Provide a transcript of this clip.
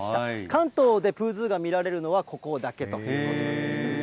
関東でプーズーが見られるのはここだけということなんです。